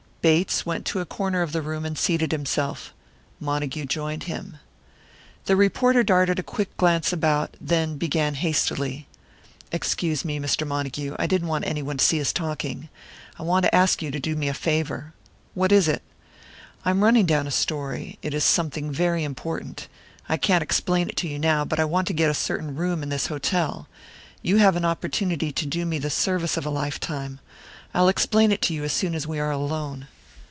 Bates went to a corner of the room and seated himself. Montague joined him. The reporter darted a quick glance about, then began hastily: "Excuse me, Mr. Montague, I didn't want anyone to see us talking. I want to ask you to do me a favour." "What is it?" "I'm running down a story. It is something very important. I can't explain it to you now, but I want to get a certain room in this hotel. You have an opportunity to do me the service of a lifetime. I'll explain it to you as soon as we are alone."